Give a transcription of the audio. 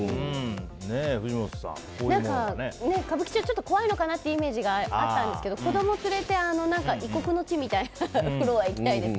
ちょっと怖いかなってイメージがあったんですけど子供を連れてあの異国の地みたいなフロアに行きたいですね。